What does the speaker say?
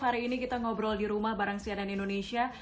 hari ini kita ngobrol di rumah bareng sianan indonesia